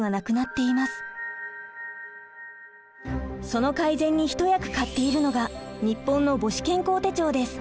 その改善に一役買っているのが日本の母子健康手帳です。